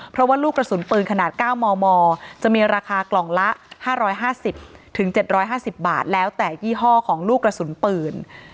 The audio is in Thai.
เพราะว่าลูกกระสุนปืนขนาด๙มมจะมีราคากล่องละ๕๕๐๗๕๐บาทแล้วแต่ยี่ห้อของลูกกระสุนปืน